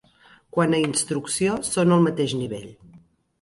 Quant a instrucció, són al mateix nivell.